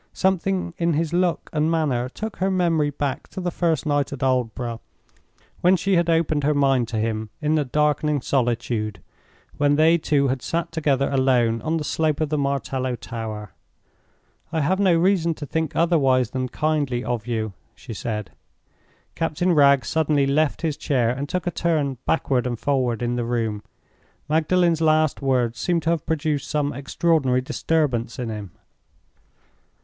Something in his look and manner took her memory back to the first night at Aldborough, when she had opened her mind to him in the darkening solitude—when they two had sat together alone on the slope of the martello tower. "I have no reason to think otherwise than kindly of you," she said. Captain Wragge suddenly left his chair, and took a turn backward and forward in the room. Magdalen's last words seemed to have produced some extraordinary disturbance in him.